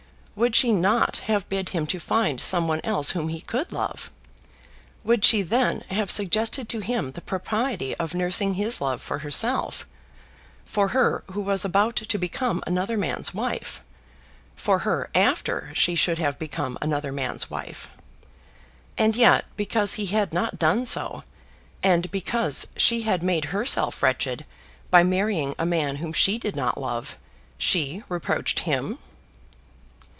Would she not have bid him to find some one else whom he could love? Would she then have suggested to him the propriety of nursing his love for herself, for her who was about to become another man's wife, for her after she should have become another man's wife? And yet because he had not done so, and because she had made herself wretched by marrying a man whom she did not love, she reproached him!